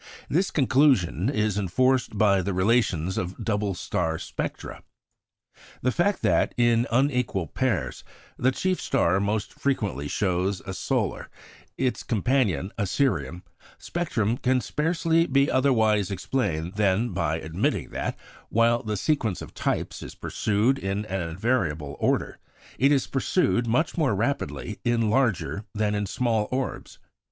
This conclusion is enforced by the relations of double star spectra. The fact that, in unequal pairs, the chief star most frequently shows a solar, its companion a Sirian, spectrum can scarcely be otherwise explained than by admitting that, while the sequence of types is pursued in an invariable order, it is pursued much more rapidly in larger than in small orbs.